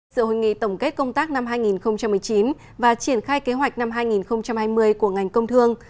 sự hội nghị tổng kết công tác năm hai nghìn một mươi chín và triển khai kế hoạch năm hai nghìn hai mươi của ngành công thương